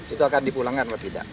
itu akan dipulangkan atau tidak